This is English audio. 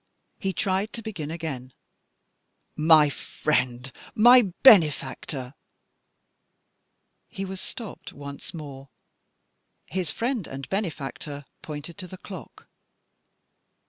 He tried to begin again: "My friend! my benefactor " He was stopped once more. His friend and benefactor pointed to the clock.